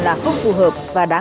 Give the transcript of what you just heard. là không phù hợp